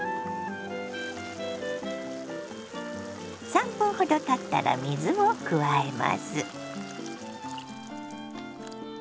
３分ほどたったら水を加えます。